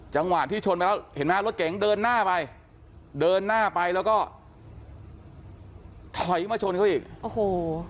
จังหวะที่ชนไปแล้วเห็นไหมฮะรถเก๋งเดินหน้าไปเดินหน้าไปแล้วก็ถอยมาชนเขาอีกโอ้โห